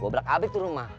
gua belak belak tuh rumah